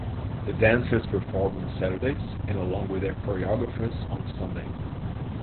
The dancers perform on Saturdays and along with their choreographers on Sunday.